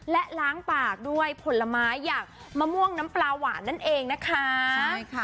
และล้างปากด้วยผลไม้อย่างมะม่วงน้ำปลาหวานนั่นเองนะคะใช่ค่ะ